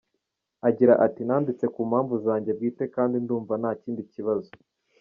Agira ati “Nanditse ku mpamvu zanjye bwite kandi ndumva nta kindi kibazo.